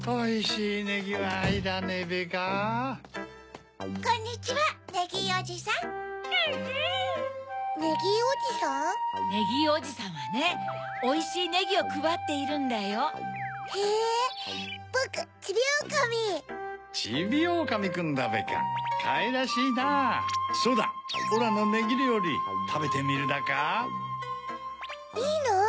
いいの？